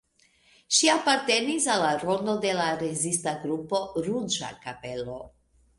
Ŝi apartenis al la rondo de la rezista grupo "Ruĝa Kapelo".